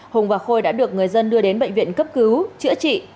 hùng và khôi đã được người dân đưa đến bệnh viện cấp cứu chữa trị